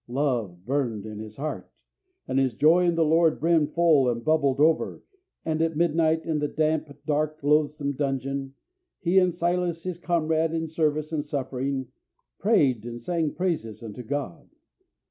Love burned in his heart, and his joy in the Lord brimmed full and bubbled over, and at midnight, in the damp, dark, loathsome dungeon, he and Silas, his comrade in service and suffering, "prayed and sang praises unto God."